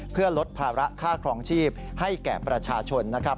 เพื่อลดภาระค่าครองชีพให้แก่ประชาชนนะครับ